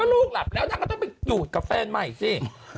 ลูกหลับแล้วนางก็ต้องไปอยู่กับแฟนใหม่สิ